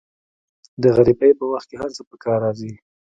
د غریبۍ په وخت کې هر څه په کار راځي.